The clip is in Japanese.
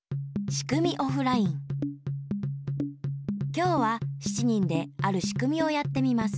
きょうは７人であるしくみをやってみます。